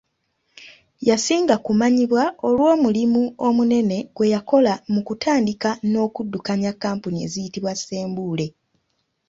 Yasinga ku manyibwa olw'omulimu omunene gwe yakola mu kutandika n'okudukanya kkampuni eziyitibwa Ssembule